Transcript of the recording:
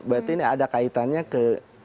berarti ini ada kaitannya ke